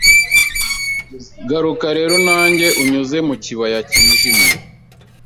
Garuka rero nanjye unyuze mu kibaya cyijimye